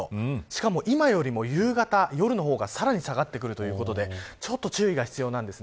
しかも、今よりも夕方、夜の方がさらに下がってくるということでちょっと注意が必要です。